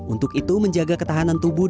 untuk itu menjaga ketahanan tubuh